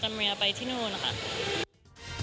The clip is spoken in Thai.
เป็นที่จะกดใจมึง